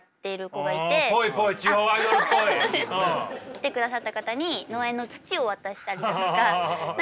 来てくださった方に農園の土を渡したりだとか。